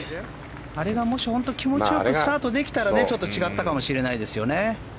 あれがもし、気持ち良くスタートできたらちょっと違ったかもしれないですよね。